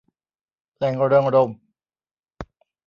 แหล่งเริงรมย์